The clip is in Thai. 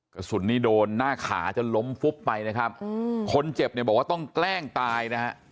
กระสุนนี้โดนหน้าขาจนล้มปุ๊บไปคนเจ็บเนี่ยบอกว่าต้องแกล้งตาย